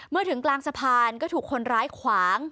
เมื่อถึงกลางสะพานก็ถูกคนร้ายขวาง